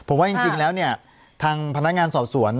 ผมว่าจริงแล้วเนี่ยทางพนักงานสอบสวน